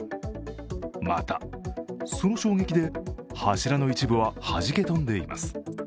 また、その衝撃で柱の一部ははじけ飛んでいます。